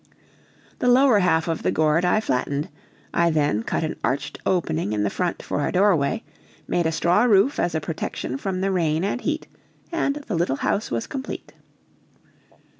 The lower half of the gourd I flattened, I then cut an arched opening in the front for a doorway, made a straw roof as a protection from the rain and heat, and the little house was complete.